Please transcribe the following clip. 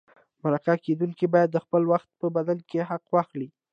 مرکه کېدونکی باید د خپل وخت په بدل کې حق واخلي.